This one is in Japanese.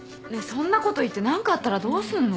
そんなこと言って何かあったらどうすんの？